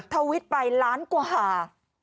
ทวิตไปล้านกว่าหา